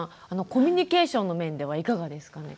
コミュニケーションの面ではいかがですかね？